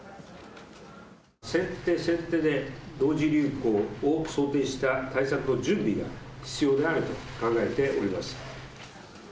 先手先手で同時流行を想定した対策の準備が必要であると考えております。